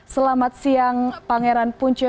selamat siang pangeran punce